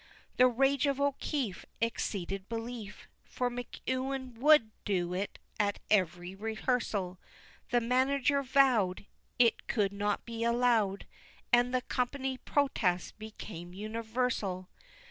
The rage of O'Keefe Exceeded belief, For McEwen would do it at ev'ry rehearsal; The manager vowed It could not be allowed, And the company's protests became universal.